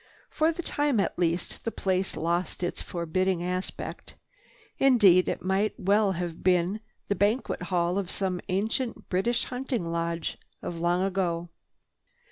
For the time at least, the place lost its forbidding aspect. Indeed it might well have been the banquet hall of some ancient British hunting lodge, of long ago.